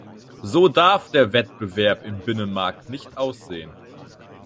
So darf der Wettbewerb im Binnenmarkt nicht aussehen.